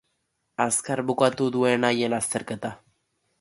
Azkar bukatu nuen haien azterketa.